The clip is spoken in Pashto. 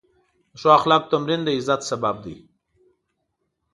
د ښو اخلاقو تمرین د عزت سبب دی.